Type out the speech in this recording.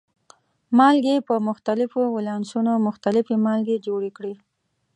مالګې په مختلفو ولانسونو مختلفې مالګې جوړې کړي.